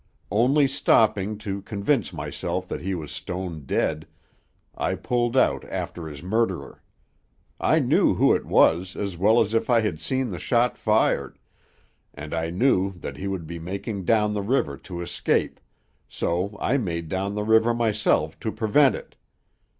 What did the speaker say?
Only stopping to convince myself that he was stone dead, I pulled out after his murderer. I knew who it was as well as if I had seen the shot fired, and I knew that he would be making down the river to escape, so I made down the river myself to prevent it.